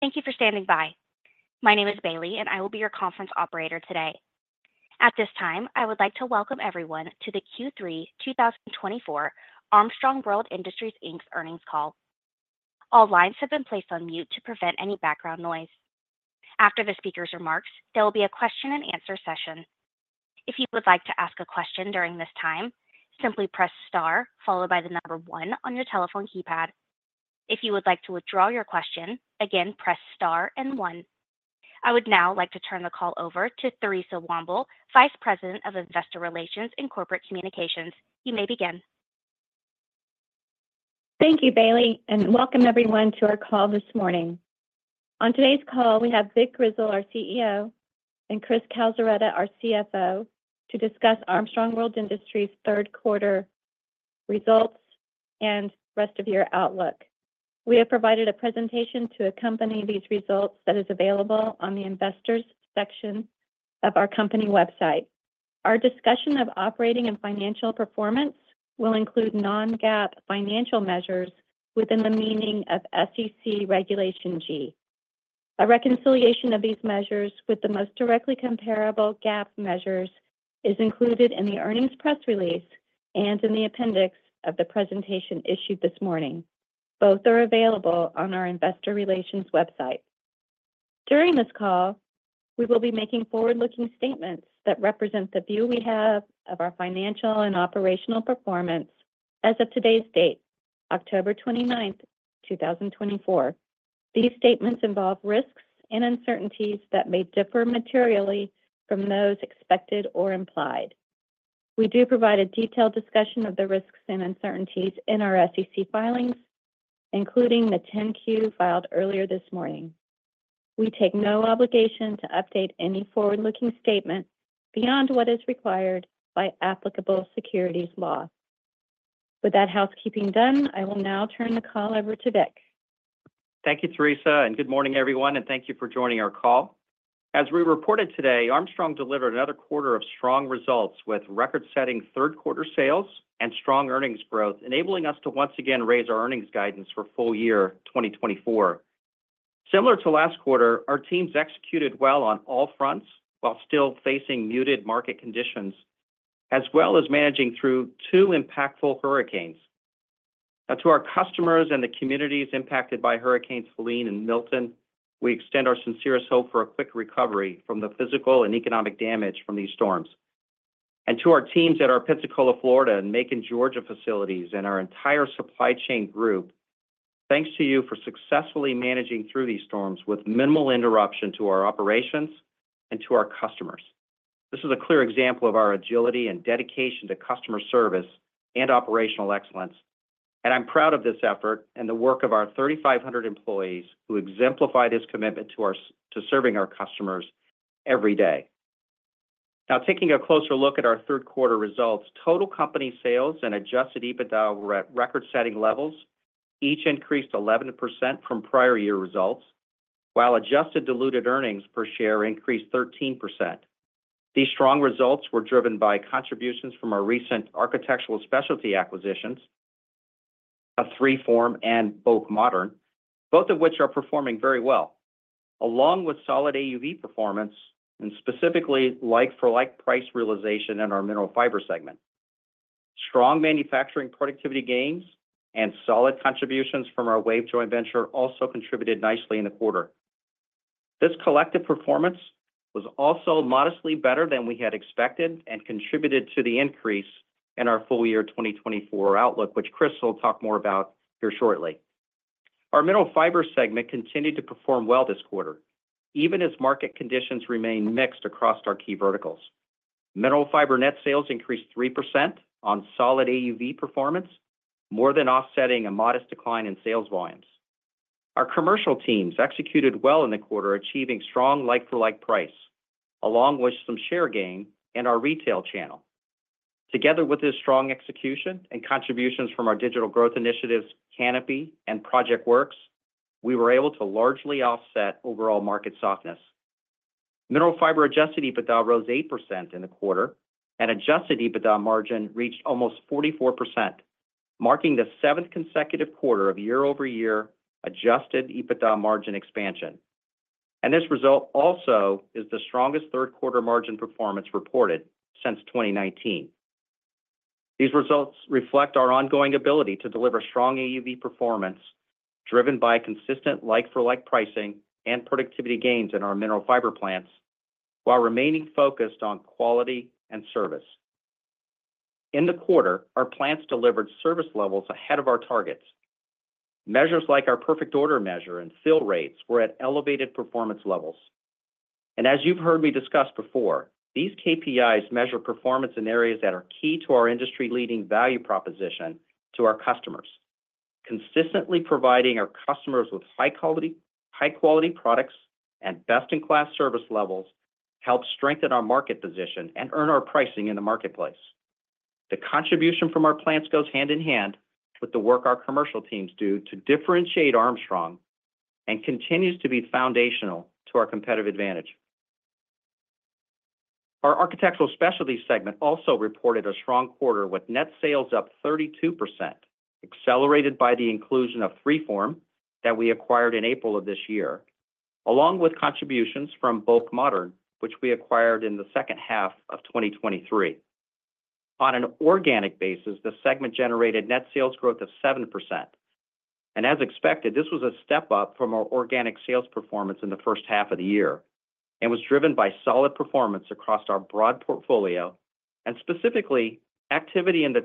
Thank you for standing by. My name is Bailey, and I will be your conference operator today. At this time, I would like to welcome everyone to the Q3 2024 Armstrong World Industries Inc.'s earnings call. All lines have been placed on mute to prevent any background noise. After the speaker's remarks, there will be a question-and-answer session. If you would like to ask a question during this time, simply press star followed by the number one on your telephone keypad. If you would like to withdraw your question, again, press star and one. I would now like to turn the call over to Theresa Womble, Vice President of Investor Relations and Corporate Communications. You may begin. Thank you, Bailey, and welcome everyone to our call this morning. On today's call, we have Vic Grizzle, our CEO, and Chris Calzaretta, our CFO, to discuss Armstrong World Industries' third quarter results and rest of year outlook. We have provided a presentation to accompany these results that is available on the Investors section of our company website. Our discussion of operating and financial performance will include non-GAAP financial measures within the meaning of SEC Regulation G. A reconciliation of these measures with the most directly comparable GAAP measures is included in the earnings press release and in the appendix of the presentation issued this morning. Both are available on our Investor Relations website. During this call, we will be making forward-looking statements that represent the view we have of our financial and operational performance as of today's date, October 29, 2024. These statements involve risks and uncertainties that may differ materially from those expected or implied. We do provide a detailed discussion of the risks and uncertainties in our SEC filings, including the 10-Q filed earlier this morning. We take no obligation to update any forward-looking statement beyond what is required by applicable securities law. With that housekeeping done, I will now turn the call over to Vic. Thank you, Theresa, and good morning, everyone, and thank you for joining our call. As we reported today, Armstrong delivered another quarter of strong results with record-setting third quarter sales and strong earnings growth, enabling us to once again raise our earnings guidance for full year 2024. Similar to last quarter, our teams executed well on all fronts while still facing muted market conditions, as well as managing through two impactful hurricanes. Now, to our customers and the communities impacted by Hurricanes Helene and Milton, we extend our sincerest hope for a quick recovery from the physical and economic damage from these storms. And to our teams at our Pensacola, Florida, and Macon, Georgia facilities, and our entire supply chain group, thanks to you for successfully managing through these storms with minimal interruption to our operations and to our customers. This is a clear example of our agility and dedication to customer service and operational excellence, and I'm proud of this effort and the work of our 3,500 employees who exemplify this commitment to serving our customers every day. Now, taking a closer look at our third quarter results, total company sales and Adjusted EBITDA were at record-setting levels, each increased 11% from prior year results, while adjusted diluted earnings per share increased 13%. These strong results were driven by contributions from our recent architectural specialty acquisitions, a 3form and BŌK Modern, both of which are performing very well, along with solid AUV performance and specifically like-for-like price realization in our mineral fiber segment. Strong manufacturing productivity gains and solid contributions from our WAVE joint venture also contributed nicely in the quarter. This collective performance was also modestly better than we had expected and contributed to the increase in our full year 2024 outlook, which Chris will talk more about here shortly. Our Mineral Fiber segment continued to perform well this quarter, even as market conditions remained mixed across our key verticals. Mineral Fiber net sales increased 3% on solid AUV performance, more than offsetting a modest decline in sales volumes. Our commercial teams executed well in the quarter, achieving strong like-for-like price, along with some share gain in our retail channel. Together with this strong execution and contributions from our digital growth initiatives, Kanopi, and ProjectWorks, we were able to largely offset overall market softness. Mineral Fiber Adjusted EBITDA rose 8% in the quarter, and Adjusted EBITDA margin reached almost 44%, marking the seventh consecutive quarter of year-over-year Adjusted EBITDA margin expansion. This result also is the strongest third quarter margin performance reported since 2019. These results reflect our ongoing ability to deliver strong AUV performance driven by consistent like-for-like pricing and productivity gains in our mineral fiber plants, while remaining focused on quality and service. In the quarter, our plants delivered service levels ahead of our targets. Measures like our perfect order measure and fill rates were at elevated performance levels. As you've heard me discuss before, these KPIs measure performance in areas that are key to our industry-leading value proposition to our customers. Consistently providing our customers with high-quality products and best-in-class service levels helps strengthen our market position and earn our pricing in the marketplace. The contribution from our plants goes hand in hand with the work our commercial teams do to differentiate Armstrong and continues to be foundational to our competitive advantage. Our architectural specialty segment also reported a strong quarter with net sales up 32%, accelerated by the inclusion of 3Form that we acquired in April of this year, along with contributions from BŌK Modern, which we acquired in the second half of 2023. On an organic basis, the segment generated net sales growth of 7%. And as expected, this was a step up from our organic sales performance in the first half of the year and was driven by solid performance across our broad portfolio and specifically activity in the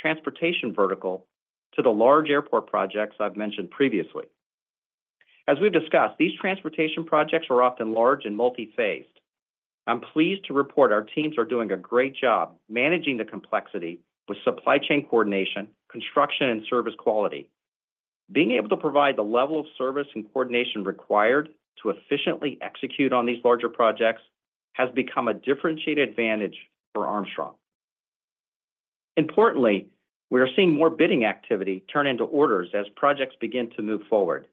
transportation vertical to the large airport projects I've mentioned previously. As we've discussed, these transportation projects are often large and multi-phased. I'm pleased to report our teams are doing a great job managing the complexity with supply chain coordination, construction, and service quality. Being able to provide the level of service and coordination required to efficiently execute on these larger projects has become a differentiated advantage for Armstrong. Importantly, we are seeing more bidding activity turn into orders as projects begin to move forward.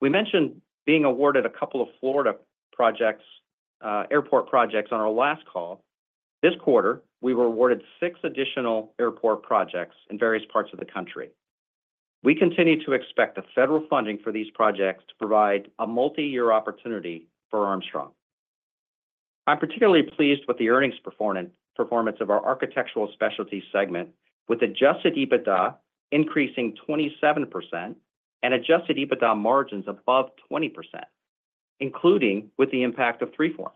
We mentioned being awarded a couple of Florida airport projects on our last call. This quarter, we were awarded six additional airport projects in various parts of the country. We continue to expect the federal funding for these projects to provide a multi-year opportunity for Armstrong. I'm particularly pleased with the earnings performance of our Architectural Specialties segment, with Adjusted EBITDA increasing 27% and Adjusted EBITDA margins above 20%, including with the impact of 3form.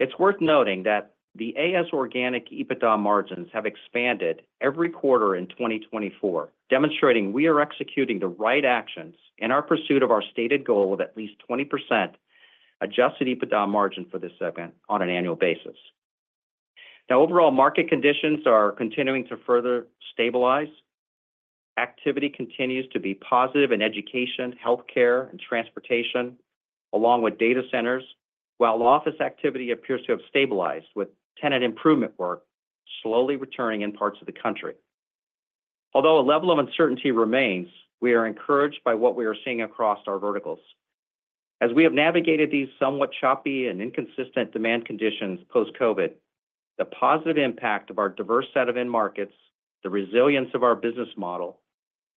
It's worth noting that the AS organic EBITDA margins have expanded every quarter in 2024, demonstrating we are executing the right actions in our pursuit of our stated goal of at least 20% Adjusted EBITDA margin for this segment on an annual basis. Now, overall market conditions are continuing to further stabilize. Activity continues to be positive in education, healthcare, and transportation, along with data centers, while office activity appears to have stabilized with tenant improvement work slowly returning in parts of the country. Although a level of uncertainty remains, we are encouraged by what we are seeing across our verticals. As we have navigated these somewhat choppy and inconsistent demand conditions post-COVID, the positive impact of our diverse set of end markets, the resilience of our business model,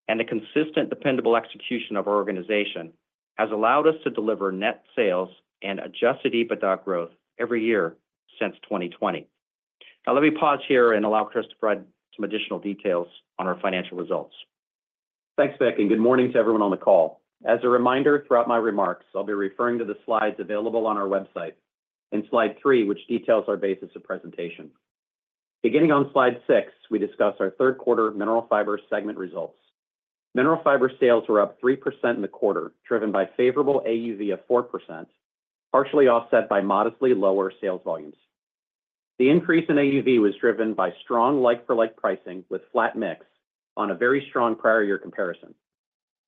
and the consistent, dependable execution of our organization has allowed us to deliver net sales and Adjusted EBITDA growth every year since 2020. Now, let me pause here and allow Chris to provide some additional details on our financial results. Thanks, Vic, and good morning to everyone on the call. As a reminder, throughout my remarks, I'll be referring to the slides available on our website in slide three, which details our basis of presentation. Beginning on slide six, we discuss our third quarter mineral fiber segment results. Mineral fiber sales were up 3% in the quarter, driven by favorable AUV of 4%, partially offset by modestly lower sales volumes. The increase in AUV was driven by strong like-for-like pricing with flat mix on a very strong prior year comparison.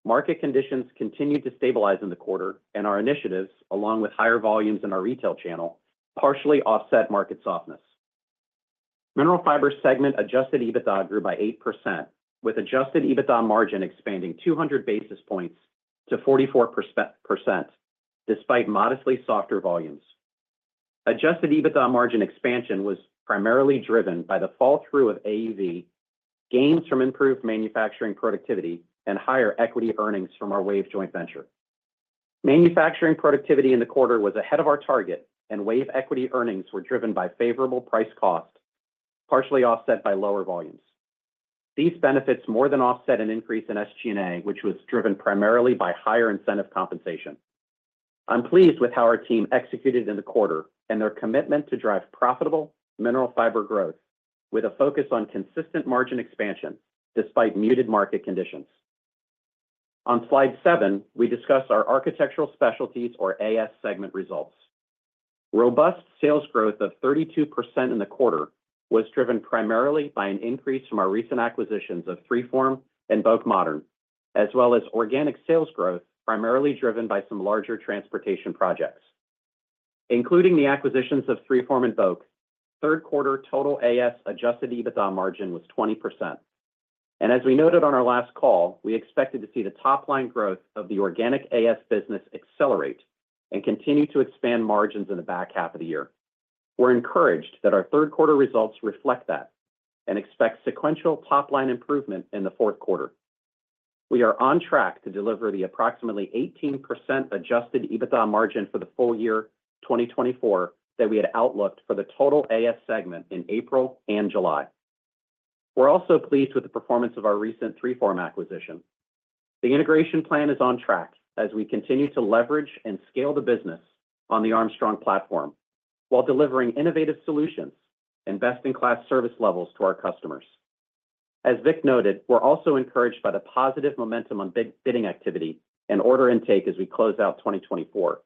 Market conditions continued to stabilize in the quarter, and our initiatives, along with higher volumes in our retail channel, partially offset market softness. Mineral fiber segment Adjusted EBITDA grew by 8%, with Adjusted EBITDA margin expanding 200 basis points to 44% despite modestly softer volumes. Adjusted EBITDA margin expansion was primarily driven by the fall-through of AUV, gains from improved manufacturing productivity, and higher equity earnings from our wave joint venture. Manufacturing productivity in the quarter was ahead of our target, and wave equity earnings were driven by favorable price cost, partially offset by lower volumes. These benefits more than offset an increase in SG&A, which was driven primarily by higher incentive compensation. I'm pleased with how our team executed in the quarter and their commitment to drive profitable mineral fiber growth with a focus on consistent margin expansion despite muted market conditions. On slide seven, we discuss our architectural specialties, or AS segment results. Robust sales growth of 32% in the quarter was driven primarily by an increase from our recent acquisitions of 3form and BOK Modern, as well as organic sales growth primarily driven by some larger transportation projects. Including the acquisitions of 3form and BŌK, third quarter total AS Adjusted EBITDA margin was 20%. And as we noted on our last call, we expected to see the top-line growth of the organic AS business accelerate and continue to expand margins in the back half of the year. We're encouraged that our third quarter results reflect that and expect sequential top-line improvement in the fourth quarter. We are on track to deliver the approximately 18% adjusted EBITDA margin for the full year 2024 that we had outlooked for the total AS segment in April and July. We're also pleased with the performance of our recent 3form acquisition. The integration plan is on track as we continue to leverage and scale the business on the Armstrong platform while delivering innovative solutions and best-in-class service levels to our customers. As Vic noted, we're also encouraged by the positive momentum on bidding activity and order intake as we close out 2024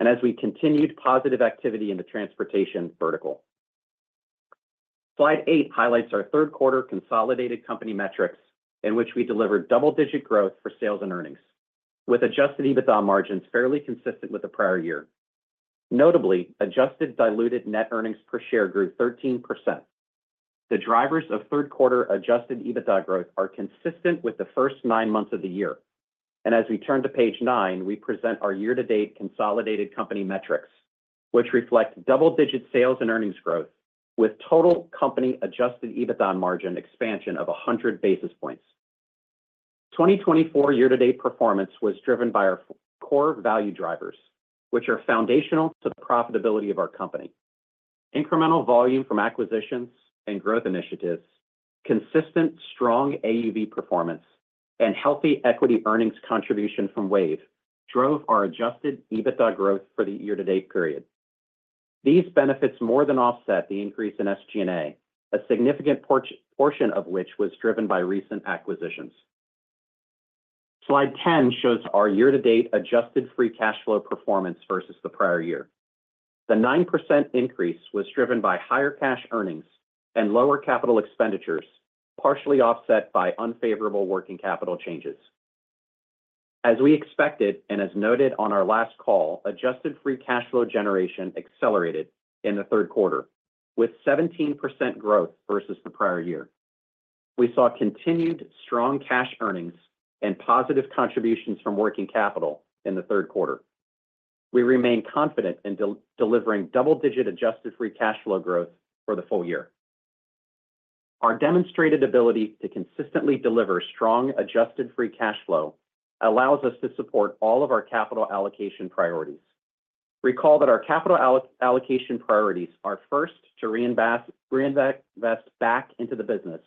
and as we continued positive activity in the transportation vertical. Slide eight highlights our third quarter consolidated company metrics in which we delivered double-digit growth for sales and earnings, with Adjusted EBITDA margins fairly consistent with the prior year. Notably, adjusted diluted net earnings per share grew 13%. The drivers of third quarter Adjusted EBITDA growth are consistent with the first nine months of the year, and as we turn to page nine, we present our year-to-date consolidated company metrics, which reflect double-digit sales and earnings growth with total company Adjusted EBITDA margin expansion of 100 basis points. 2024 year-to-date performance was driven by our core value drivers, which are foundational to the profitability of our company. Incremental volume from acquisitions and growth initiatives, consistent strong AUV performance, and healthy equity earnings contribution from WAVE drove our Adjusted EBITDA growth for the year-to-date period. These benefits more than offset the increase in SG&A, a significant portion of which was driven by recent acquisitions. Slide 10 shows our year-to-date adjusted free cash flow performance versus the prior year. The 9% increase was driven by higher cash earnings and lower capital expenditures, partially offset by unfavorable working capital changes. As we expected and as noted on our last call, adjusted free cash flow generation accelerated in the third quarter with 17% growth versus the prior year. We saw continued strong cash earnings and positive contributions from working capital in the third quarter. We remain confident in delivering double-digit adjusted free cash flow growth for the full year. Our demonstrated ability to consistently deliver strong adjusted free cash flow allows us to support all of our capital allocation priorities. Recall that our capital allocation priorities are first to reinvest back into the business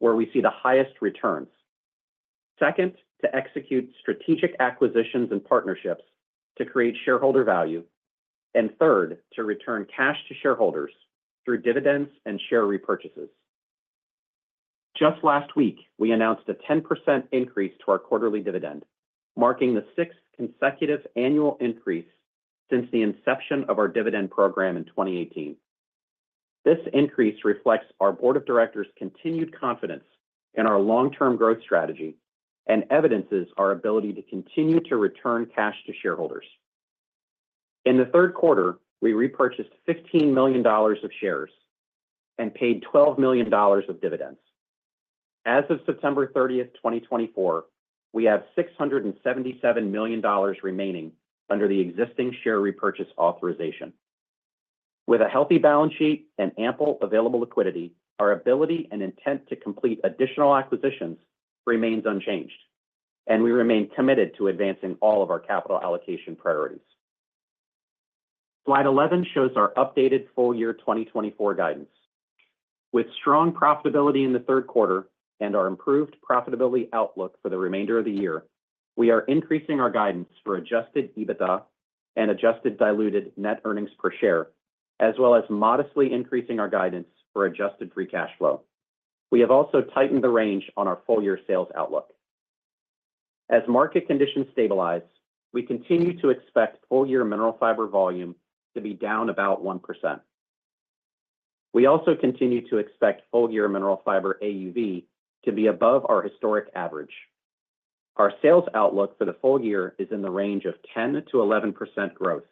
where we see the highest returns, second to execute strategic acquisitions and partnerships to create shareholder value, and third to return cash to shareholders through dividends and share repurchases. Just last week, we announced a 10% increase to our quarterly dividend, marking the sixth consecutive annual increase since the inception of our dividend program in 2018. This increase reflects our board of directors' continued confidence in our long-term growth strategy and evidences our ability to continue to return cash to shareholders. In the third quarter, we repurchased $15 million of shares and paid $12 million of dividends. As of September 30th, 2024, we have $677 million remaining under the existing share repurchase authorization. With a healthy balance sheet and ample available liquidity, our ability and intent to complete additional acquisitions remains unchanged, and we remain committed to advancing all of our capital allocation priorities. Slide 11 shows our updated full year 2024 guidance. With strong profitability in the third quarter and our improved profitability outlook for the remainder of the year, we are increasing our guidance for Adjusted EBITDA and adjusted diluted net earnings per share, as well as modestly increasing our guidance for adjusted free cash flow. We have also tightened the range on our full year sales outlook. As market conditions stabilize, we continue to expect full year mineral fiber volume to be down about 1%. We also continue to expect full year mineral fiber AUV to be above our historic average. Our sales outlook for the full year is in the range of 10%-11% growth.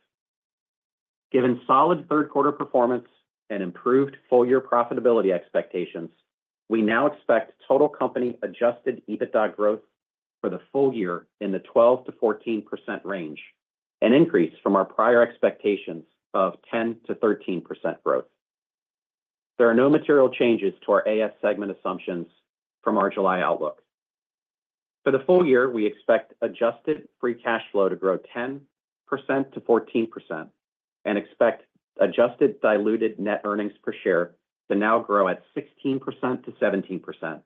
Given solid third quarter performance and improved full year profitability expectations, we now expect total company Adjusted EBITDA growth for the full year in the 12%-14% range, an increase from our prior expectations of 10%-13% growth. There are no material changes to our AS segment assumptions from our July outlook. For the full year, we expect adjusted free cash flow to grow 10%-14% and expect adjusted diluted net earnings per share to now grow at 16%-17%,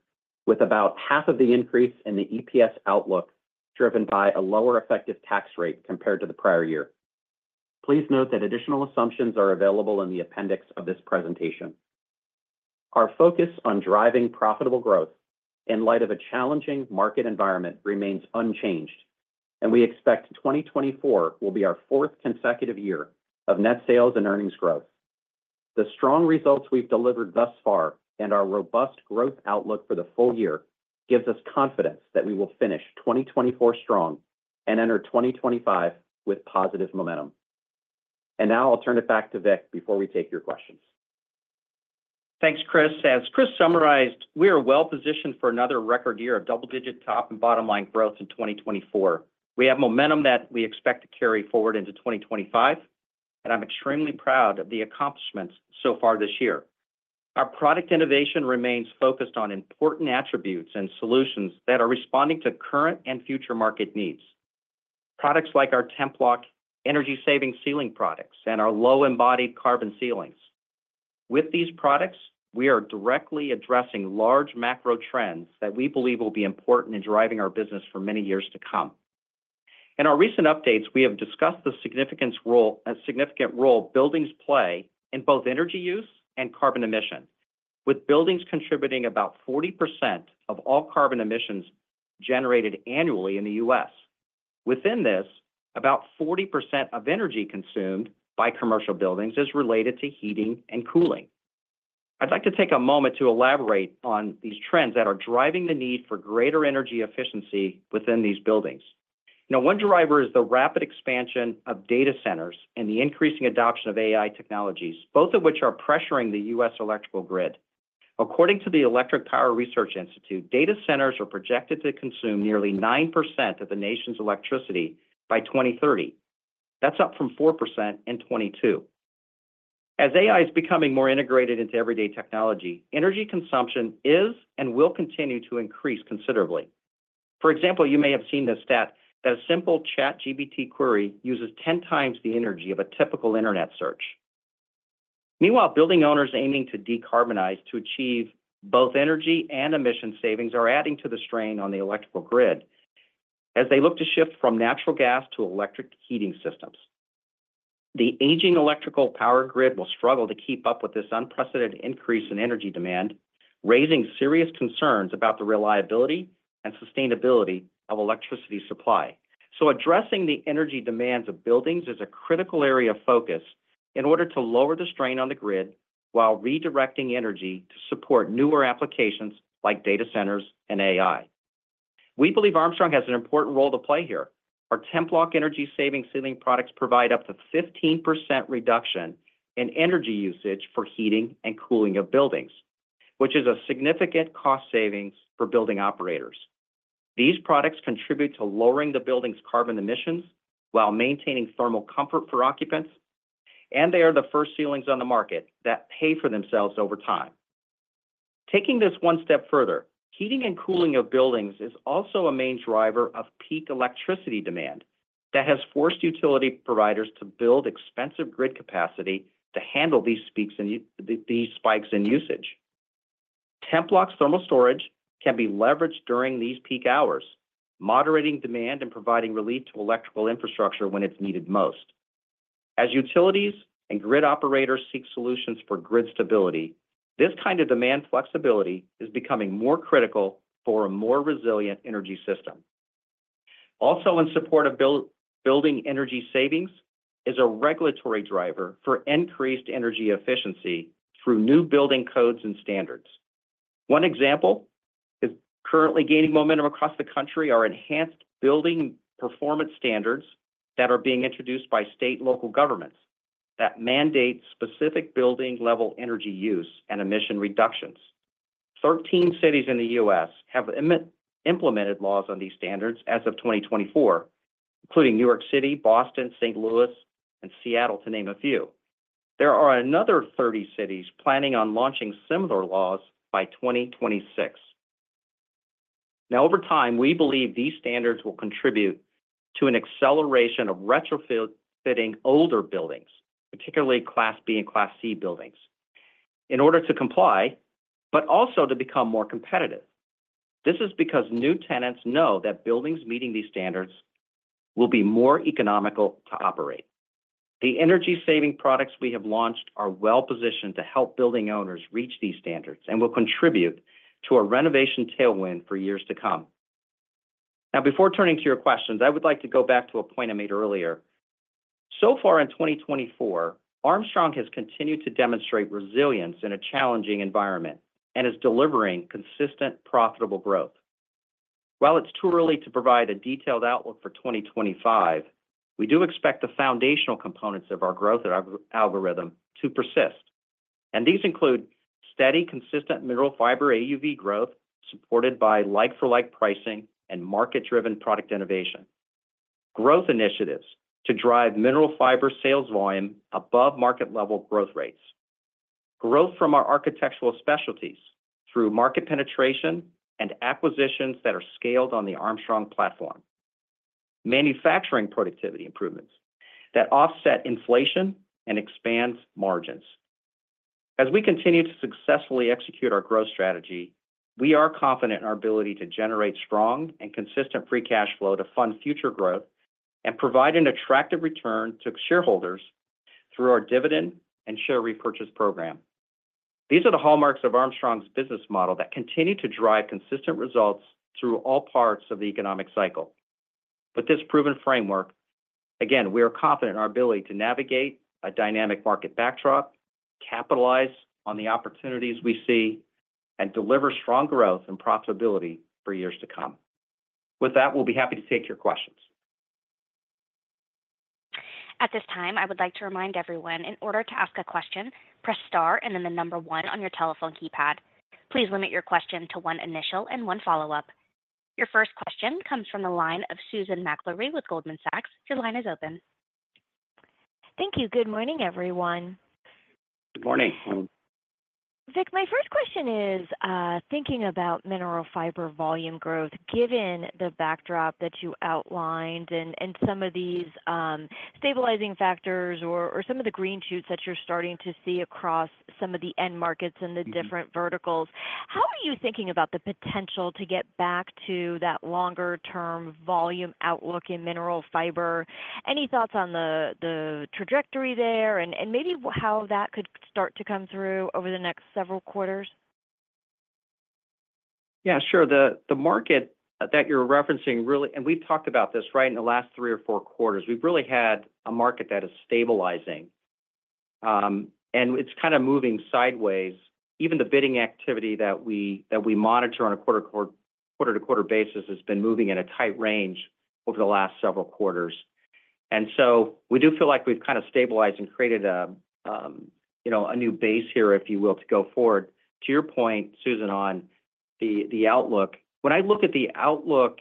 with about half of the increase in the EPS outlook driven by a lower effective tax rate compared to the prior year. Please note that additional assumptions are available in the appendix of this presentation. Our focus on driving profitable growth in light of a challenging market environment remains unchanged, and we expect 2024 will be our fourth consecutive year of net sales and earnings growth. The strong results we've delivered thus far and our robust growth outlook for the full year gives us confidence that we will finish 2024 strong and enter 2025 with positive momentum, and now I'll turn it back to Vic before we take your questions. Thanks, Chris. As Chris summarized, we are well positioned for another record year of double-digit top and bottom line growth in 2024. We have momentum that we expect to carry forward into 2025, and I'm extremely proud of the accomplishments so far this year. Our product innovation remains focused on important attributes and solutions that are responding to current and future market needs. Products like our Templok energy-saving ceiling products and our low embodied carbon ceilings. With these products, we are directly addressing large macro trends that we believe will be important in driving our business for many years to come. In our recent updates, we have discussed the significant role buildings play in both energy use and carbon emissions, with buildings contributing about 40% of all carbon emissions generated annually in the U.S. Within this, about 40% of energy consumed by commercial buildings is related to heating and cooling. I'd like to take a moment to elaborate on these trends that are driving the need for greater energy efficiency within these buildings. Now, one driver is the rapid expansion of data centers and the increasing adoption of AI technologies, both of which are pressuring the U.S. electrical grid. According to the Electric Power Research Institute, data centers are projected to consume nearly 9% of the nation's electricity by 2030. That's up from 4% in 2022. As AI is becoming more integrated into everyday technology, energy consumption is and will continue to increase considerably. For example, you may have seen the stat that a simple ChatGPT query uses 10x the energy of a typical internet search. Meanwhile, building owners aiming to decarbonize to achieve both energy and emission savings are adding to the strain on the electrical grid as they look to shift from natural gas to electric heating systems. The aging electrical power grid will struggle to keep up with this unprecedented increase in energy demand, raising serious concerns about the reliability and sustainability of electricity supply. So addressing the energy demands of buildings is a critical area of focus in order to lower the strain on the grid while redirecting energy to support newer applications like data centers and AI. We believe Armstrong has an important role to play here. Our Templok energy-saving ceiling products provide up to 15% reduction in energy usage for heating and cooling of buildings, which is a significant cost savings for building operators. These products contribute to lowering the building's carbon emissions while maintaining thermal comfort for occupants, and they are the first ceilings on the market that pay for themselves over time. Taking this one step further, heating and cooling of buildings is also a main driver of peak electricity demand that has forced utility providers to build expensive grid capacity to handle these spikes in usage. Templok's thermal storage can be leveraged during these peak hours, moderating demand and providing relief to electrical infrastructure when it's needed most. As utilities and grid operators seek solutions for grid stability, this kind of demand flexibility is becoming more critical for a more resilient energy system. Also, in support of building energy savings is a regulatory driver for increased energy efficiency through new building codes and standards. One example is currently gaining momentum across the country are enhanced building performance standards that are being introduced by state and local governments that mandate specific building-level energy use and emission reductions. 13 cities in the U.S. have implemented laws on these standards as of 2024, including New York City, Boston, St. Louis, and Seattle, to name a few. There are another 30 cities planning on launching similar laws by 2026. Now, over time, we believe these standards will contribute to an acceleration of retrofitting older buildings, particularly Class B and Class C buildings, in order to comply, but also to become more competitive. This is because new tenants know that buildings meeting these standards will be more economical to operate. The energy-saving products we have launched are well positioned to help building owners reach these standards and will contribute to a renovation tailwind for years to come. Now, before turning to your questions, I would like to go back to a point I made earlier. So far in 2024, Armstrong has continued to demonstrate resilience in a challenging environment and is delivering consistent profitable growth. While it's too early to provide a detailed outlook for 2025, we do expect the foundational components of our growth algorithm to persist, and these include steady, consistent mineral fiber AUV growth supported by like-for-like pricing and market-driven product innovation. Growth initiatives to drive mineral fiber sales volume above market-level growth rates. Growth from our architectural specialties through market penetration and acquisitions that are scaled on the Armstrong platform. Manufacturing productivity improvements that offset inflation and expand margins. As we continue to successfully execute our growth strategy, we are confident in our ability to generate strong and consistent free cash flow to fund future growth and provide an attractive return to shareholders through our dividend and share repurchase program. These are the hallmarks of Armstrong's business model that continue to drive consistent results through all parts of the economic cycle. With this proven framework, again, we are confident in our ability to navigate a dynamic market backdrop, capitalize on the opportunities we see, and deliver strong growth and profitability for years to come. With that, we'll be happy to take your questions. At this time, I would like to remind everyone, in order to ask a question, press Star and then the number one on your telephone keypad. Please limit your question to one initial and one follow-up. Your first question comes from the line of Susan Maklari with Goldman Sachs. Your line is open. Thank you. Good morning, everyone. Good morning. Vic, my first question is thinking about Mineral Fiber volume growth, given the backdrop that you outlined and some of these stabilizing factors or some of the green shoots that you're starting to see across some of the end markets and the different verticals. How are you thinking about the potential to get back to that longer-term volume outlook in Mineral Fiber? Any thoughts on the trajectory there and maybe how that could start to come through over the next several quarters? Yeah, sure. The market that you're referencing, really, and we've talked about this, right, in the last three or four quarters, we've really had a market that is stabilizing, and it's kind of moving sideways. Even the bidding activity that we monitor on a quarter-to-quarter basis has been moving in a tight range over the last several quarters, and so we do feel like we've kind of stabilized and created a new base here, if you will, to go forward. To your point, Susan, on the outlook, when I look at the outlook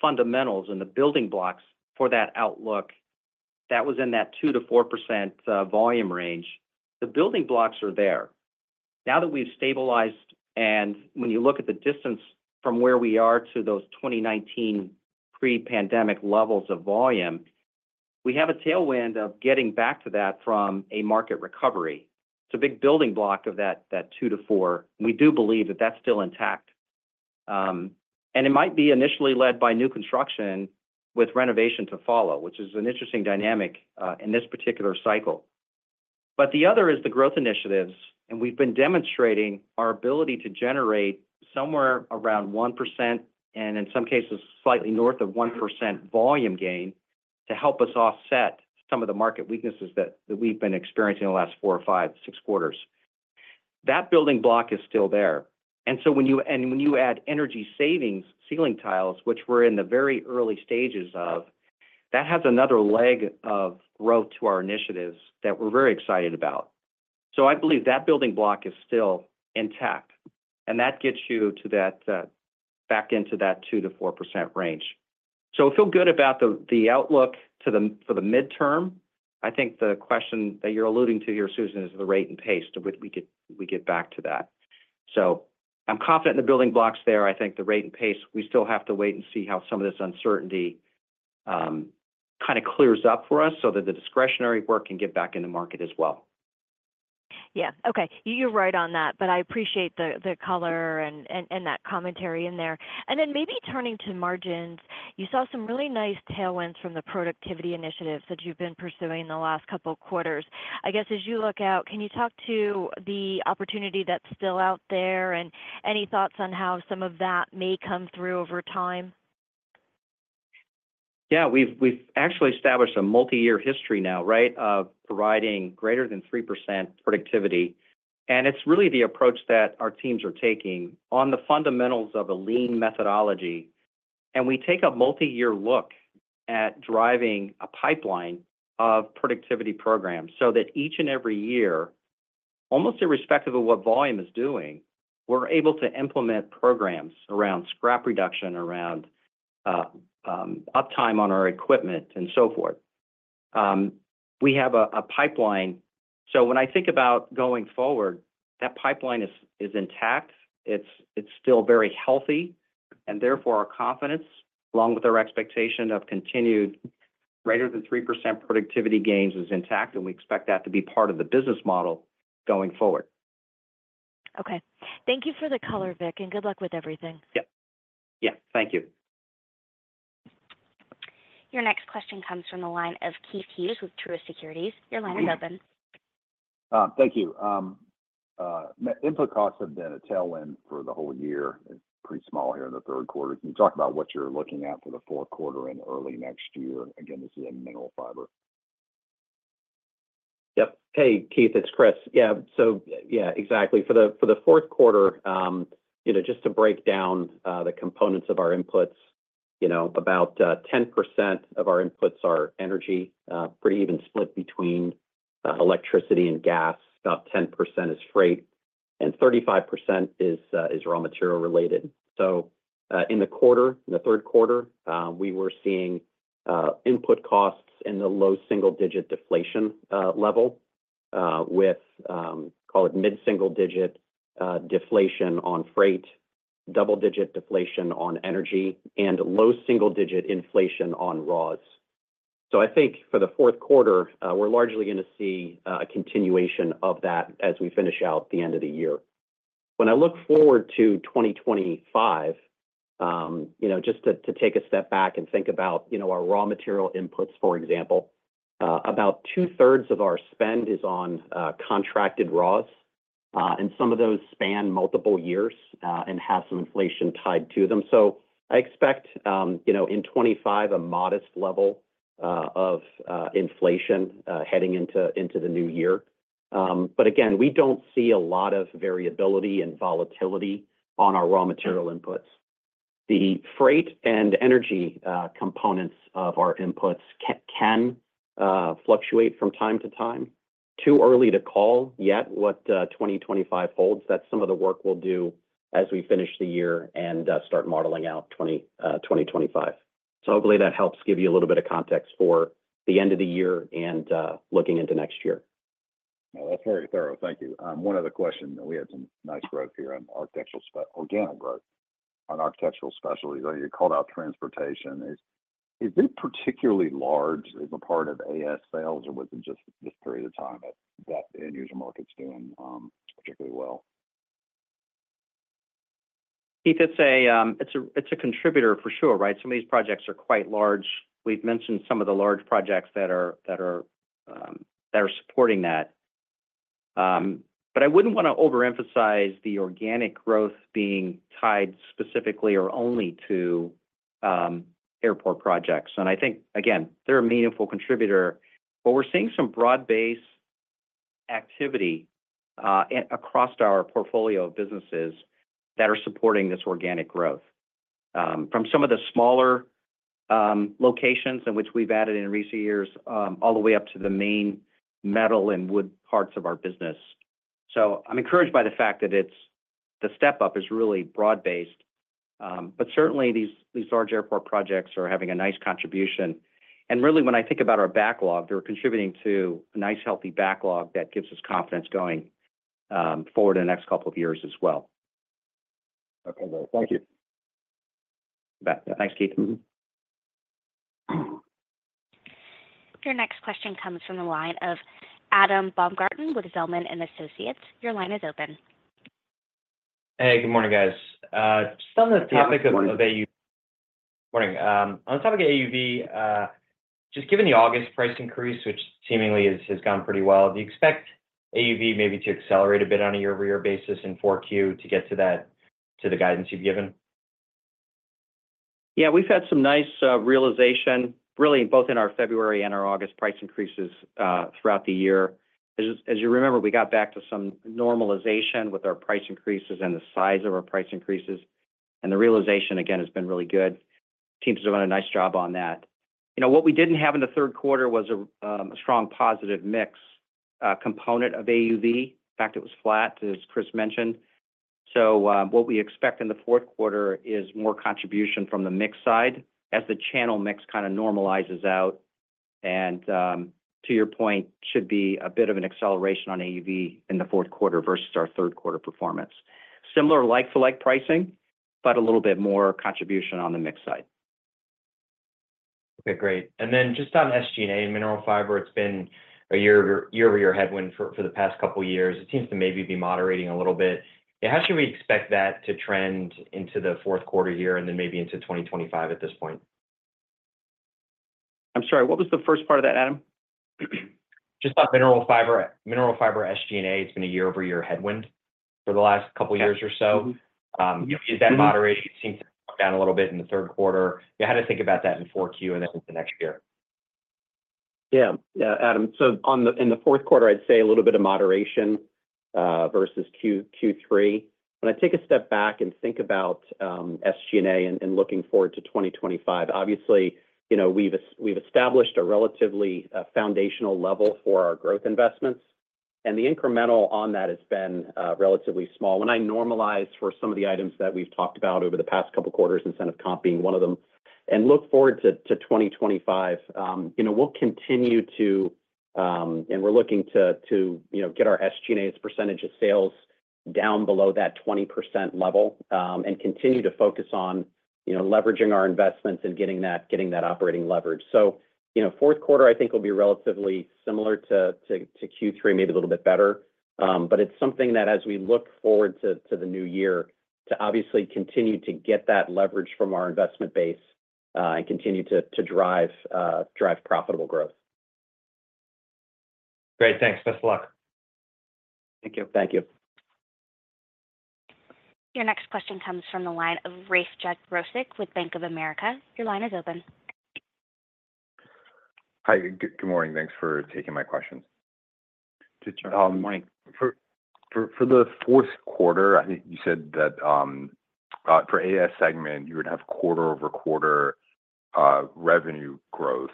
fundamentals and the building blocks for that outlook, that was in that 2%-4% volume range. The building blocks are there. Now that we've stabilized, and when you look at the distance from where we are to those 2019 pre-pandemic levels of volume, we have a tailwind of getting back to that from a market recovery. It's a big building block of that 2%-4%. We do believe that that's still intact. And it might be initially led by new construction with renovation to follow, which is an interesting dynamic in this particular cycle. But the other is the growth initiatives, and we've been demonstrating our ability to generate somewhere around 1% and, in some cases, slightly north of 1% volume gain to help us offset some of the market weaknesses that we've been experiencing in the last four or five, six quarters. That building block is still there. And so when you add energy savings ceiling tiles, which we're in the very early stages of, that has another leg of growth to our initiatives that we're very excited about. So I believe that building block is still intact. And that gets you back into that 2%-4% range. I feel good about the outlook for the midterm. I think the question that you're alluding to here, Susan, is the rate and pace, and we get back to that. I'm confident in the building blocks there. I think the rate and pace, we still have to wait and see how some of this uncertainty kind of clears up for us so that the discretionary work can get back in the market as well. Yeah. Okay. You're right on that, but I appreciate the color and that commentary in there. And then maybe turning to margins, you saw some really nice tailwinds from the productivity initiatives that you've been pursuing in the last couple of quarters. I guess as you look out, can you talk to the opportunity that's still out there and any thoughts on how some of that may come through over time? Yeah. We've actually established a multi-year history now, right, of providing greater than 3% productivity. And it's really the approach that our teams are taking on the fundamentals of a lean methodology. And we take a multi-year look at driving a pipeline of productivity programs so that each and every year, almost irrespective of what volume is doing, we're able to implement programs around scrap reduction, around uptime on our equipment, and so forth. We have a pipeline. So when I think about going forward, that pipeline is intact. It's still very healthy. And therefore, our confidence, along with our expectation of continued greater than 3% productivity gains, is intact. And we expect that to be part of the business model going forward. Okay. Thank you for the color, Vic, and good luck with everything. Yeah. Yeah. Thank you. Your next question comes from the line of Keith Hughes with Truist Securities. Your line is open. Thank you. Input costs have been a tailwind for the whole year. It's pretty small here in the third quarter. Can you talk about what you're looking at for the fourth quarter and early next year? Again, this is in mineral fiber. Yep. Hey, Keith, it's Chris. Yeah. So yeah, exactly. For the fourth quarter, just to break down the components of our inputs, about 10% of our inputs are energy, pretty even split between electricity and gas. About 10% is freight, and 35% is raw material related. So in the quarter, in the third quarter, we were seeing input costs in the low single-digit deflation level with, call it, mid-single-digit deflation on freight, double-digit deflation on energy, and low single-digit inflation on raws. So I think for the fourth quarter, we're largely going to see a continuation of that as we finish out the end of the year. When I look forward to 2025, just to take a step back and think about our raw material inputs, for example, about two-thirds of our spend is on contracted raws. Some of those span multiple years and have some inflation tied to them. I expect in 2025 a modest level of inflation heading into the new year. But again, we don't see a lot of variability and volatility on our raw material inputs. The freight and energy components of our inputs can fluctuate from time to time. It is too early to call yet what 2025 holds. That is some of the work we will do as we finish the year and start modeling out 2025. Hopefully, that helps give you a little bit of context for the end of the year and looking into next year. No, that's very thorough. Thank you. One other question. We had some nice growth here on organic growth, on architectural specialties. You called out transportation. Is it particularly large as a part of AS sales, or was it just this period of time that end-user market's doing particularly well? Keith, it's a contributor for sure, right? Some of these projects are quite large. We've mentioned some of the large projects that are supporting that. But I wouldn't want to overemphasize the organic growth being tied specifically or only to airport projects. And I think, again, they're a meaningful contributor. But we're seeing some broad-based activity across our portfolio of businesses that are supporting this organic growth from some of the smaller locations in which we've added in recent years, all the way up to the main metal and wood parts of our business. So I'm encouraged by the fact that the step-up is really broad-based. But certainly, these large airport projects are having a nice contribution. And really, when I think about our backlog, they're contributing to a nice, healthy backlog that gives us confidence going forward in the next couple of years as well. Okay. Great. Thank you. Thanks, Keith. Your next question comes from the line of Adam Baumgarten with Zelman & Associates. Your line is open. Hey, good morning, guys. Just on the topic of AUV. Good morning. Morning. On the topic of AUV, just given the August price increase, which seemingly has gone pretty well, do you expect AUV maybe to accelerate a bit on a year-over-year basis in 4Q to get to the guidance you've given? Yeah. We've had some nice realization, really, both in our February and our August price increases throughout the year. As you remember, we got back to some normalization with our price increases and the size of our price increases. And the realization, again, has been really good. Teams have done a nice job on that. What we didn't have in the third quarter was a strong positive mix component of AUV. In fact, it was flat, as Chris mentioned. So what we expect in the fourth quarter is more contribution from the mix side as the channel mix kind of normalizes out. And to your point, should be a bit of an acceleration on AUV in the fourth quarter versus our third quarter performance. Similar like-for-like pricing, but a little bit more contribution on the mix side. Okay. Great. And then just on SG&A and Mineral Fiber, it's been a year-over-year headwind for the past couple of years. It seems to maybe be moderating a little bit. How should we expect that to trend into the fourth quarter year and then maybe into 2025 at this point? I'm sorry. What was the first part of that, Adam? Just on Mineral Fiber, SG&A, it's been a year-over-year headwind for the last couple of years or so. Is that moderating? It seems to come down a little bit in the third quarter. How do you think about that in 4Q and then into next year? Yeah. Yeah, Adam. So in the fourth quarter, I'd say a little bit of moderation versus Q3. When I take a step back and think about SG&A and looking forward to 2025, obviously, we've established a relatively foundational level for our growth investments. And the incremental on that has been relatively small. When I normalize for some of the items that we've talked about over the past couple of quarters, incentive comp being one of them, and look forward to 2025, we'll continue to, and we're looking to get our SG&A's percentage of sales down below that 20% level and continue to focus on leveraging our investments and getting that operating leverage. So fourth quarter, I think, will be relatively similar to Q3, maybe a little bit better. But it's something that, as we look forward to the new year, to obviously continue to get that leverage from our investment base and continue to drive profitable growth. Great. Thanks. Best of luck. Thank you. Thank you. Your next question comes from the line of Rafe Jadrosich with Bank of America. Your line is open. Hi. Good morning. Thanks for taking my questions. Good morning. For the fourth quarter, I think you said that for AS segment, you would have quarter-over-quarter revenue growth,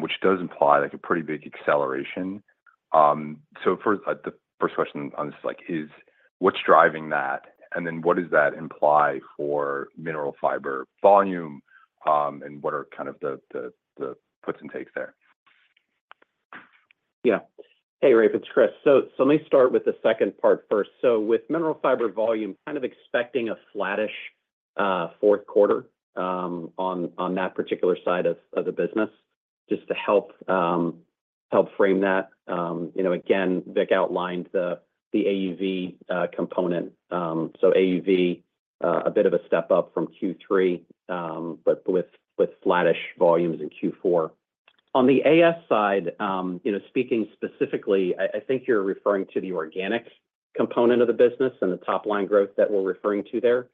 which does imply a pretty big acceleration. So the first question on this is, what's driving that? And then what does that imply for mineral fiber volume? And what are kind of the puts and takes there? Yeah. Hey, Rafe. It's Chris. So let me start with the second part first. So with mineral fiber volume, kind of expecting a flattish fourth quarter on that particular side of the business just to help frame that. Again, Vic outlined the AUV component. So AUV, a bit of a step up from Q3, but with flattish volumes in Q4. On the AS side, speaking specifically, I think you're referring to the organic component of the business and the top-line growth that we're referring to there.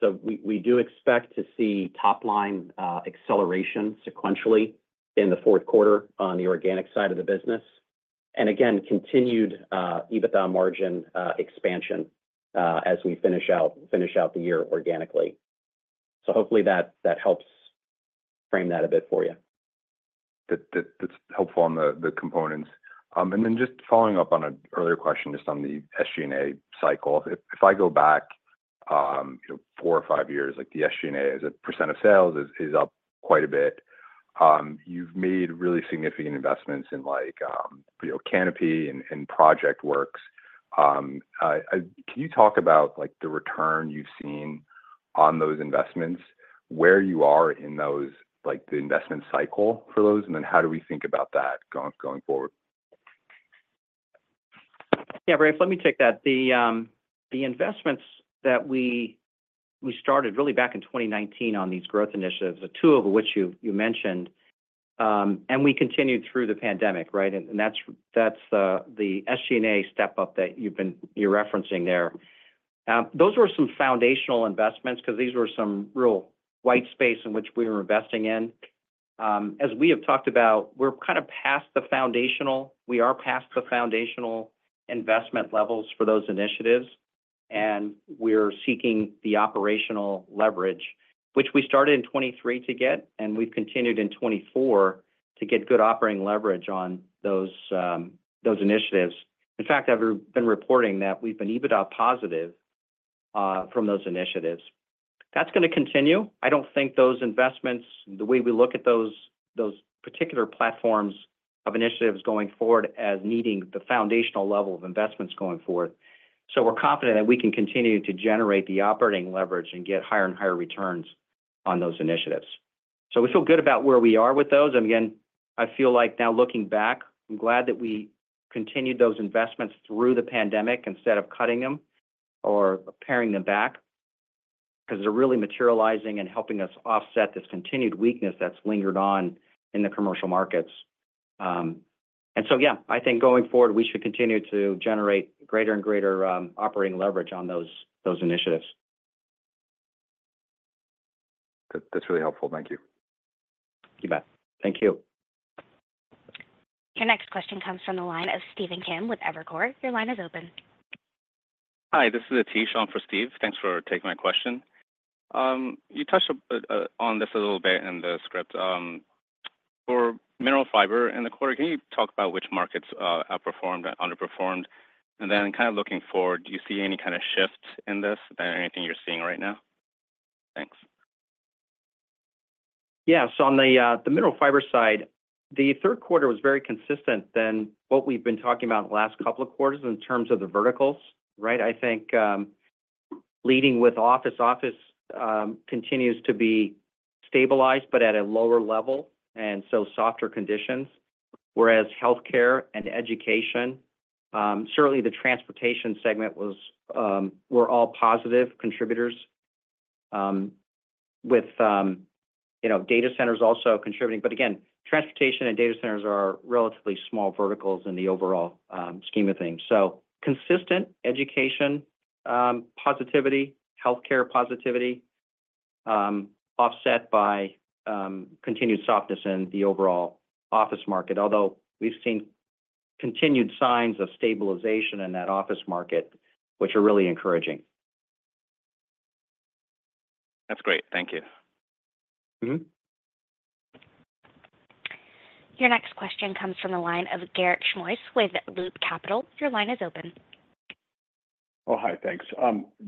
So we do expect to see top-line acceleration sequentially in the fourth quarter on the organic side of the business. And again, continued EBITDA margin expansion as we finish out the year organically. So hopefully, that helps frame that a bit for you. That's helpful on the components. And then just following up on an earlier question just on the SG&A cycle. If I go back four or five years, the SG&A as a percent of sales is up quite a bit. You've made really significant investments in Kanopi and ProjectWorks. Can you talk about the return you've seen on those investments, where you are in the investment cycle for those, and then how do we think about that going forward? Yeah, Rafe, let me take that. The investments that we started really back in 2019 on these growth initiatives, two of which you mentioned, and we continued through the pandemic, right? And that's the SG&A step-up that you're referencing there. Those were some foundational investments because these were some real white space in which we were investing in. As we have talked about, we're kind of past the foundational. We are past the foundational investment levels for those initiatives. And we're seeking the operational leverage, which we started in 2023 to get, and we've continued in 2024 to get good operating leverage on those initiatives. In fact, I've been reporting that we've been EBITDA positive from those initiatives. That's going to continue. I don't think those investments, the way we look at those particular platforms of initiatives going forward as needing the foundational level of investments going forward. So we're confident that we can continue to generate the operating leverage and get higher and higher returns on those initiatives. So we feel good about where we are with those. And again, I feel like now looking back, I'm glad that we continued those investments through the pandemic instead of cutting them or paring them back because they're really materializing and helping us offset this continued weakness that's lingered on in the commercial markets. And so, yeah, I think going forward, we should continue to generate greater and greater operating leverage on those initiatives. That's really helpful. Thank you. You bet. Thank you. Your next question comes from the line of Stephen Kim with Evercore. Your line is open. Hi. This is Aatish. I'm for Steve. Thanks for taking my question. You touched on this a little bit in the script. For mineral fiber in the quarter, can you talk about which markets outperformed and underperformed? And then kind of looking forward, do you see any kind of shift in this from anything you're seeing right now? Thanks. Yeah. So on the mineral fiber side, the third quarter was very consistent than what we've been talking about in the last couple of quarters in terms of the verticals, right? I think leading with office, office continues to be stabilized, but at a lower level and so softer conditions, whereas healthcare and education, certainly the transportation segment were all positive contributors with data centers also contributing. But again, transportation and data centers are relatively small verticals in the overall scheme of things. So consistent education positivity, healthcare positivity offset by continued softness in the overall office market, although we've seen continued signs of stabilization in that office market, which are really encouraging. That's great. Thank you. Your next question comes from the line of Garik Shmois with Loop Capital. Your line is open. Oh, hi. Thanks.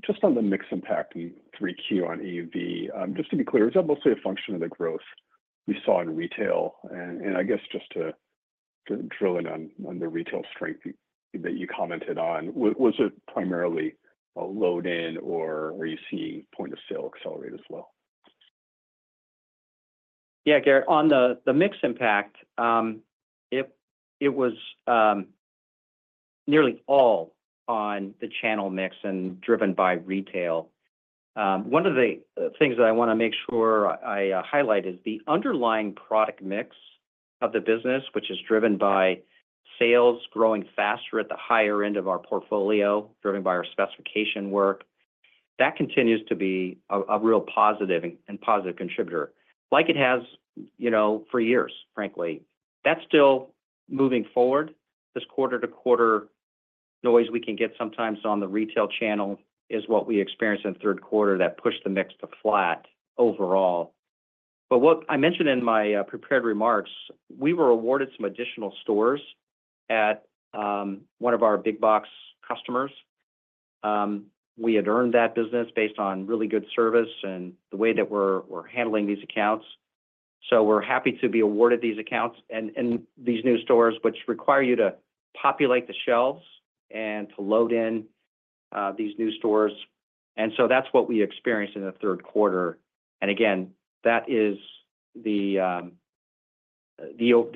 Just on the mix impact in 3Q on AUV, just to be clear, is that mostly a function of the growth we saw in retail, and I guess just to drill in on the retail strength that you commented on, was it primarily a load-in, or are you seeing point-of-sale accelerate as well? Yeah, Garrett. On the mix impact, it was nearly all on the channel mix and driven by retail. One of the things that I want to make sure I highlight is the underlying product mix of the business, which is driven by sales growing faster at the higher end of our portfolio, driven by our specification work. That continues to be a real positive and positive contributor, like it has for years, frankly. That's still moving forward. This quarter-to-quarter noise we can get sometimes on the retail channel is what we experienced in the third quarter that pushed the mix to flat overall. But what I mentioned in my prepared remarks, we were awarded some additional stores at one of our big box customers. We had earned that business based on really good service and the way that we're handling these accounts. We're happy to be awarded these accounts and these new stores, which require you to populate the shelves and to load in these new stores. And again, that is the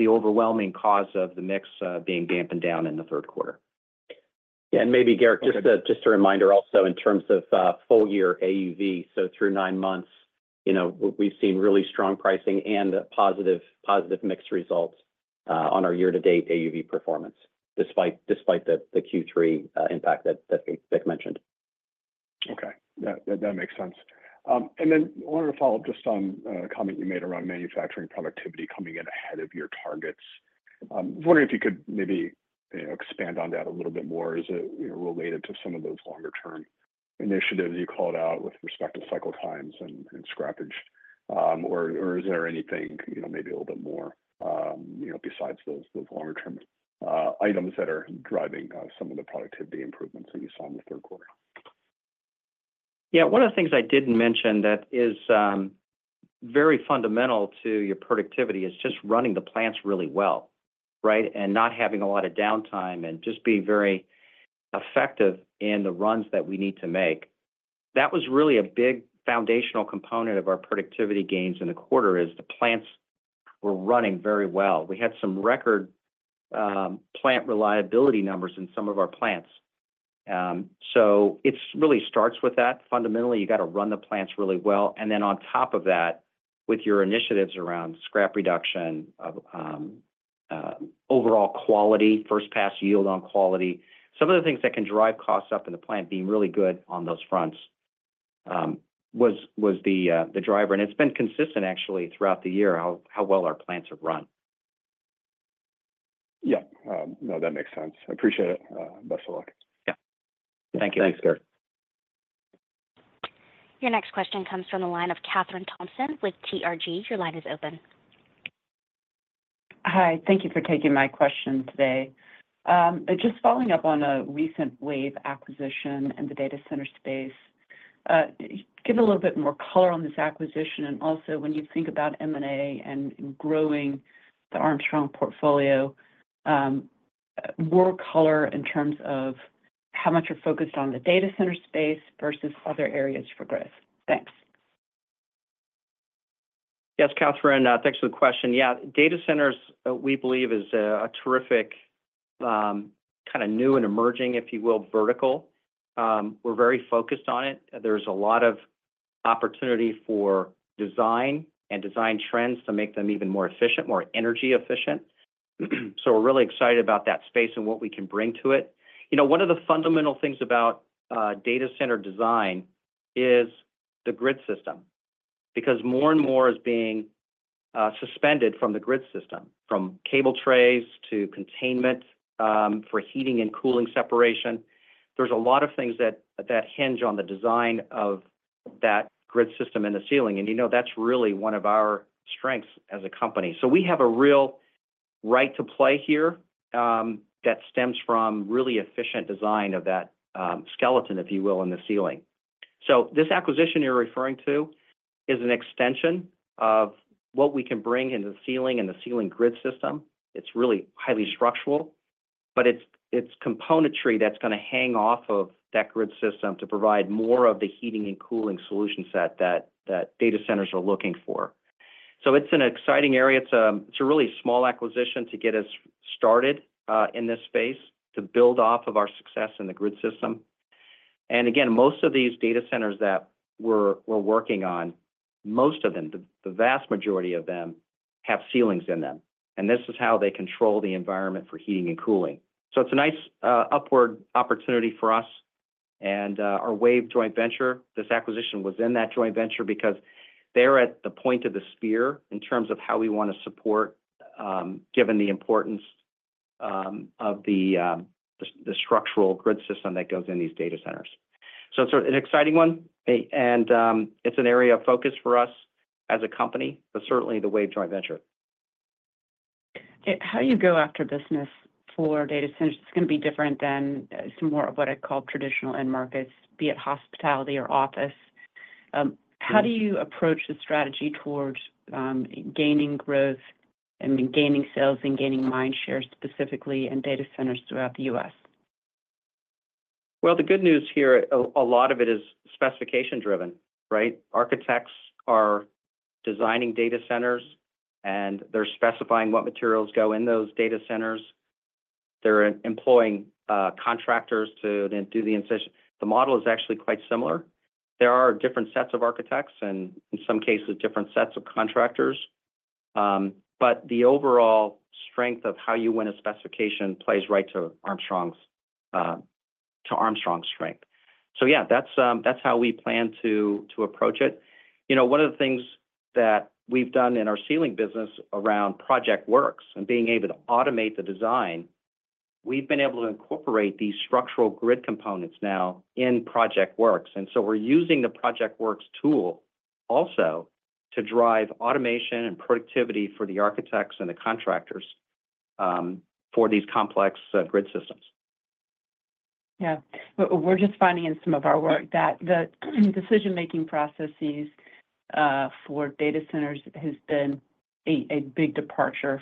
overwhelming cause of the mix being dampened down in the third quarter. Yeah. And maybe, Garrett, just a reminder also in terms of full-year AUV, so through nine months, we've seen really strong pricing and positive mix results on our year-to-date AUV performance despite the Q3 impact that Vic mentioned. Okay. That makes sense. And then I wanted to follow up just on a comment you made around manufacturing productivity coming in ahead of your targets. I was wondering if you could maybe expand on that a little bit more. Is it related to some of those longer-term initiatives you called out with respect to cycle times and scrapage? Or is there anything maybe a little bit more besides those longer-term items that are driving some of the productivity improvements that you saw in the third quarter? Yeah. One of the things I didn't mention that is very fundamental to your productivity is just running the plants really well, right, and not having a lot of downtime and just being very effective in the runs that we need to make. That was really a big foundational component of our productivity gains in the quarter. It is the plants were running very well. We had some record plant reliability numbers in some of our plants. So it really starts with that. Fundamentally, you got to run the plants really well. And then on top of that, with your initiatives around scrap reduction, overall quality, first-pass yield on quality, some of the things that can drive costs up in the plant, being really good on those fronts was the driver. And it's been consistent, actually, throughout the year how well our plants have run. Yeah. No, that makes sense. I appreciate it. Best of luck. Yeah. Thank you. Thanks, Garrett. Your next question comes from the line of Kathryn Thompson with TRG. Your line is open. Hi. Thank you for taking my question today. Just following up on a recent WAVE acquisition in the data center space, give a little bit more color on this acquisition. And also, when you think about M&A and growing the Armstrong portfolio, more color in terms of how much you're focused on the data center space versus other areas for growth. Thanks. Yes, Kathryn, thanks for the question. Yeah. Data centers, we believe, is a terrific kind of new and emerging, if you will, vertical. We're very focused on it. There's a lot of opportunity for design and design trends to make them even more efficient, more energy efficient. So we're really excited about that space and what we can bring to it. One of the fundamental things about data center design is the grid system because more and more is being suspended from the grid system, from cable trays to containment for heating and cooling separation. There's a lot of things that hinge on the design of that grid system in the ceiling. And that's really one of our strengths as a company. So we have a real right to play here that stems from really efficient design of that skeleton, if you will, in the ceiling. So this acquisition you're referring to is an extension of what we can bring into the ceiling and the ceiling grid system. It's really highly structural, but it's componentry that's going to hang off of that grid system to provide more of the heating and cooling solution set that data centers are looking for. So it's an exciting area. It's a really small acquisition to get us started in this space, to build off of our success in the grid system. And again, most of these data centers that we're working on, most of them, the vast majority of them have ceilings in them. And this is how they control the environment for heating and cooling. So it's a nice upward opportunity for us. And our WAVE joint venture, this acquisition was in that joint venture because they're at the point of the spear in terms of how we want to support, given the importance of the structural grid system that goes in these data centers. So it's an exciting one. And it's an area of focus for us as a company, but certainly the WAVE joint venture. How do you go after business for data centers? It's going to be different than some more of what I call traditional end markets, be it hospitality or office. How do you approach the strategy towards gaining growth and gaining sales and gaining mind shares specifically in data centers throughout the U.S.? The good news here, a lot of it is specification-driven, right? Architects are designing data centers, and they're specifying what materials go in those data centers. They're employing contractors to then do the insertion. The model is actually quite similar. There are different sets of architects and, in some cases, different sets of contractors. But the overall strength of how you win a specification plays right to Armstrong's strength. So yeah, that's how we plan to approach it. One of the things that we've done in our ceiling business around ProjectWorks and being able to automate the design, we've been able to incorporate these structural grid components now in ProjectWorks. And so we're using the ProjectWorks tool also to drive automation and productivity for the architects and the contractors for these complex grid systems. Yeah. We're just finding in some of our work that the decision-making processes for data centers have been a big departure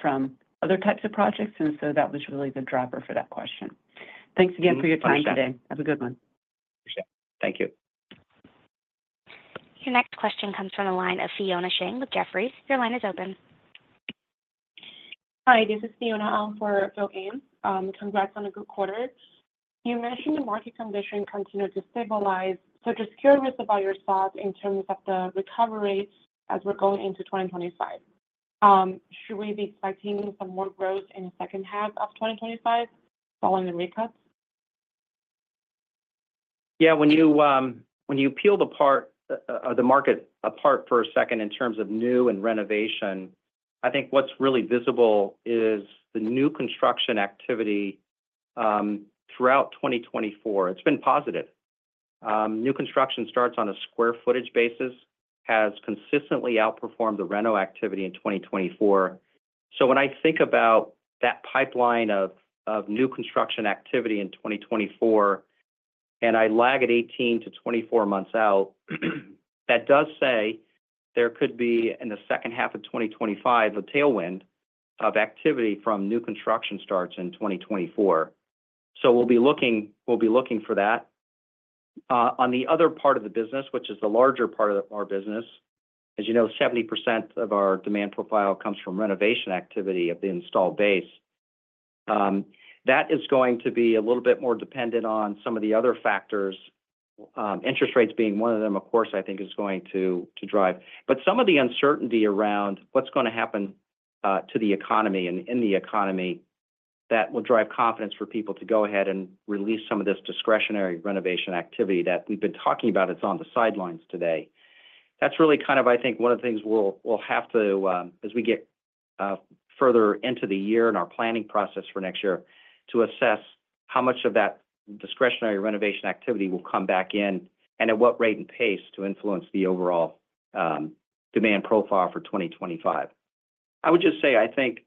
from other types of projects. And so that was really the driver for that question. Thanks again for your time today. Have a good one. Appreciate it. Thank you. Your next question comes from the line of Fiona Shang with Jefferies. Your line is open. Hi. This is Fiona Shang for Philip Ng. Congrats on a good quarter. You mentioned the market condition continued to stabilize. So just curious about your thoughts in terms of the recovery as we're going into 2025. Should we be expecting some more growth in the second half of 2025 following the rate cuts? Yeah. When you peel the market apart for a second in terms of new and renovation, I think what's really visible is the new construction activity throughout 2024. It's been positive. New construction starts on a square footage basis has consistently outperformed the reno activity in 2024. So when I think about that pipeline of new construction activity in 2024, and I lag at 18-24 months out, that does say there could be, in the second half of 2025, a tailwind of activity from new construction starts in 2024. So we'll be looking for that. On the other part of the business, which is the larger part of our business, as you know, 70% of our demand profile comes from renovation activity of the installed base. That is going to be a little bit more dependent on some of the other factors. Interest rates being one of them, of course, I think is going to drive, but some of the uncertainty around what's going to happen to the economy and in the economy that will drive confidence for people to go ahead and release some of this discretionary renovation activity that we've been talking about. It's on the sidelines today. That's really kind of, I think, one of the things we'll have to, as we get further into the year and our planning process for next year, assess how much of that discretionary renovation activity will come back in and at what rate and pace to influence the overall demand profile for 2025. I would just say, I think,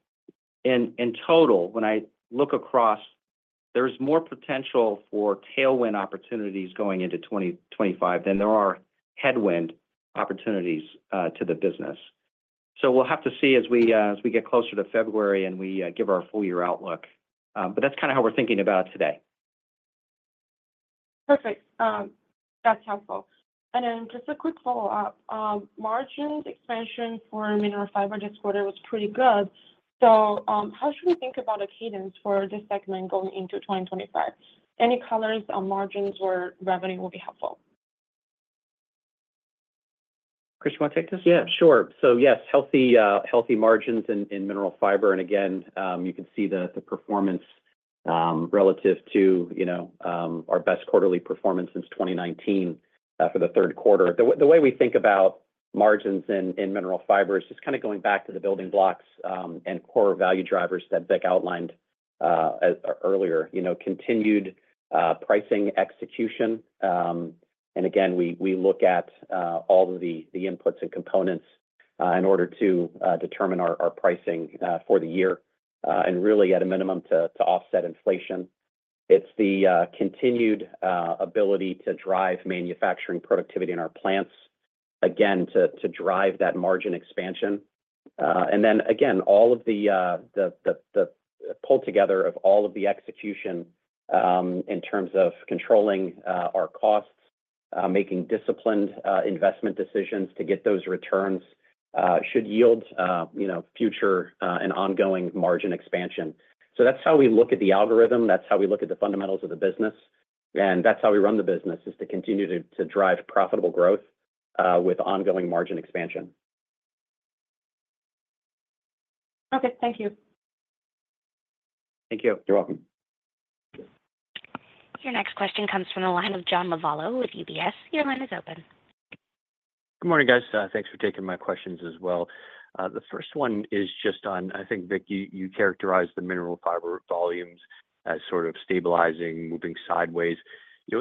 in total, when I look across, there's more potential for tailwind opportunities going into 2025 than there are headwind opportunities to the business. So we'll have to see as we get closer to February and we give our full-year outlook. But that's kind of how we're thinking about it today. Perfect. That's helpful. And then just a quick follow-up. Margin expansion for mineral fiber this quarter was pretty good. So how should we think about a cadence for this segment going into 2025? Any colors on margins or revenue will be helpful? Chris, you want to take this? Yeah, sure. So yes, healthy margins in mineral fiber. And again, you can see the performance relative to our best quarterly performance since 2019 for the third quarter. The way we think about margins in mineral fiber is just kind of going back to the building blocks and core value drivers that Vic outlined earlier, continued pricing execution. And again, we look at all of the inputs and components in order to determine our pricing for the year, and really, at a minimum, to offset inflation. It's the continued ability to drive manufacturing productivity in our plants, again, to drive that margin expansion. And then, again, all of the pull together of all of the execution in terms of controlling our costs, making disciplined investment decisions to get those returns should yield future and ongoing margin expansion. So that's how we look at the algorithm. That's how we look at the fundamentals of the business. And that's how we run the business, is to continue to drive profitable growth with ongoing margin expansion. Okay. Thank you. Thank you. You're welcome. Your next question comes from the line of John Lovallo with UBS. Your line is open. Good morning, guys. Thanks for taking my questions as well. The first one is just on, I think, Vic, you characterized the mineral fiber volumes as sort of stabilizing, moving sideways.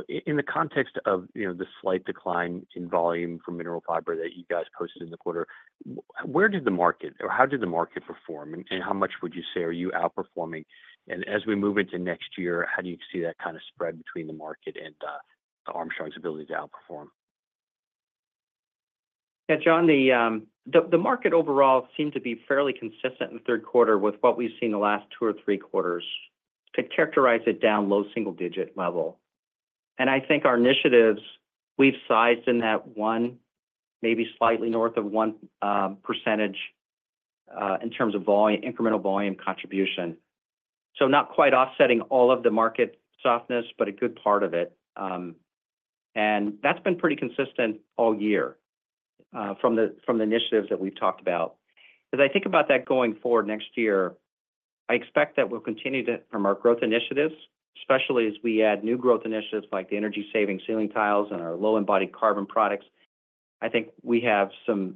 In the context of the slight decline in volume for mineral fiber that you guys posted in the quarter, where did the market or how did the market perform? And how much would you say are you outperforming? And as we move into next year, how do you see that kind of spread between the market and Armstrong's ability to outperform? Yeah, John, the market overall seemed to be fairly consistent in the third quarter with what we've seen the last two or three quarters. To characterize it down low single-digit level. And I think our initiatives, we've sized in that 1%, maybe slightly north of 1% in terms of incremental volume contribution. So not quite offsetting all of the market softness, but a good part of it. And that's been pretty consistent all year from the initiatives that we've talked about. As I think about that going forward next year, I expect that we'll continue to, from our growth initiatives, especially as we add new growth initiatives like the energy-saving ceiling tiles and our low-embodied carbon products, I think we have some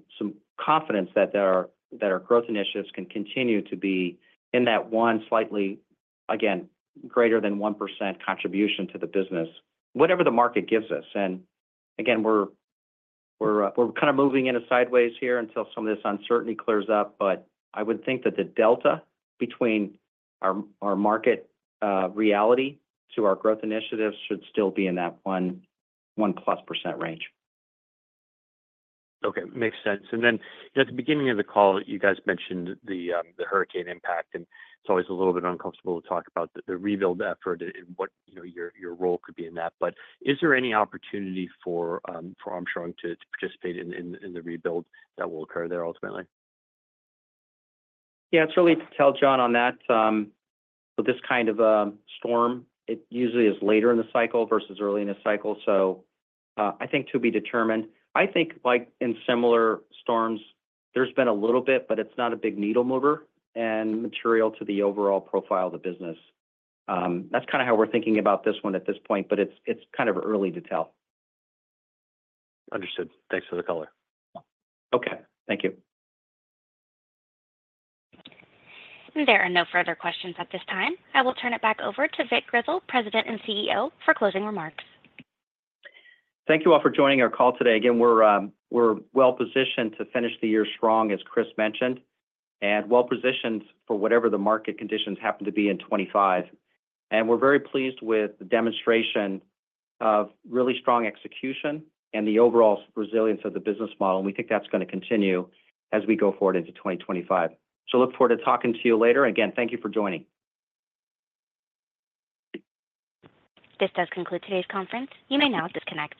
confidence that our growth initiatives can continue to be in that 1%, slightly, again, greater than 1% contribution to the business, whatever the market gives us. Again, we're kind of moving in a sideways here until some of this uncertainty clears up. I would think that the delta between our market reality to our growth initiatives should still be in that 1+% range. Okay. Makes sense, and then at the beginning of the call, you guys mentioned the hurricane impact, and it's always a little bit uncomfortable to talk about the rebuild effort and what your role could be in that, but is there any opportunity for Armstrong to participate in the rebuild that will occur there ultimately? Yeah. It's really early to tell John on that. With this kind of storm, it usually is later in the cycle versus early in the cycle. So I think to be determined. I think, like in similar storms, there's been a little bit, but it's not a big needle mover and material to the overall profile of the business. That's kind of how we're thinking about this one at this point, but it's kind of early to tell. Understood. Thanks for the color. Okay. Thank you. There are no further questions at this time. I will turn it back over to Vic Grizzle, President and CEO, for closing remarks. Thank you all for joining our call today. Again, we're well-positioned to finish the year strong, as Chris mentioned, and well-positioned for whatever the market conditions happen to be in 2025. And we're very pleased with the demonstration of really strong execution and the overall resilience of the business model. And we think that's going to continue as we go forward into 2025. So look forward to talking to you later. Again, thank you for joining. This does conclude today's conference. You may now disconnect.